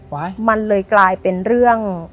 ไว้อเรนนี่มันเลยกลายเป็นเรื่อง